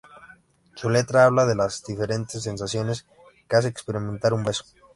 Su letra habla de las diferentes sensaciones que hace experimentar un beso.